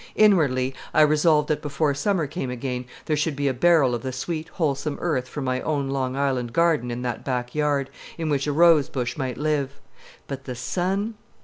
Inwardly I resolved that before summer came again there should be a barrel of the sweet wholesome earth from my own Long Island garden in that back yard, in which a rosebush might live. But the sun?